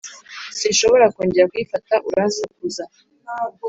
sinshobora kongera kuyifata, uransakuza